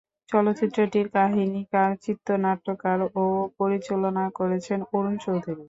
চলচ্চিত্রটির কাহিনীকার, চিত্রনাট্যকার ও পরিচালনা করেছেন অরুণ চৌধুরী।